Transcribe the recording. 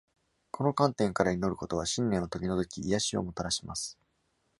この観点から祈ることは信念を取り除き、癒しをもたらします。